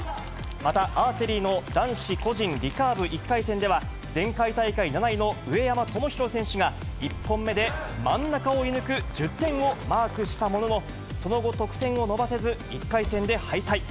また、アーチェリーの男子個人リカーブ１回戦では、前回大会７位の上山友裕選手が、１本目で真ん中を射ぬく１０点をマークしたものの、その後得点を伸ばせず、１回戦で敗退。